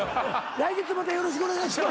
来月またよろしくお願いします